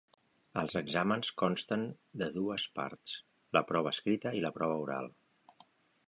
Els exàmens consten de dues parts: la prova escrita i la prova oral.